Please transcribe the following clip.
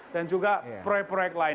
dan juga proyek proyek lain